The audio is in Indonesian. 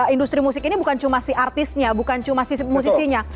industri musik ini bukan cuma si artisnya bukan cuma si musisinya